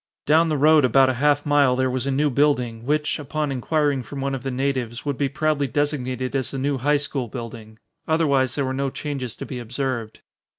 Down the road about a half mile there was a new building, which, upon inquiring from one of the natives, would be proudly designated as the new high school building. Otherwise there were no changes to be observed.